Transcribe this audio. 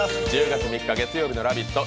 １０月３日月曜日の「ラヴィット！」